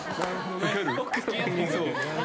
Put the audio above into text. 分かる？